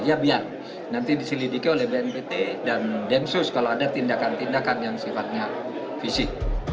ya biar nanti diselidiki oleh bnpt dan densus kalau ada tindakan tindakan yang sifatnya fisik